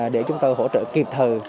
để chúng tôi hỗ trợ kịp thời